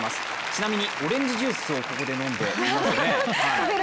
ちなみにオレンジジュースをここで飲んでいますね。